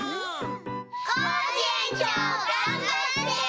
コージえんちょうがんばって！